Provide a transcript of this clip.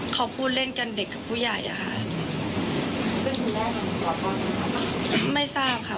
เขาพูดเล่นกันเด็กกับผู้ใหญ่อ่ะค่ะคุณแม่คำพูดหรอไม่ทราบค่ะ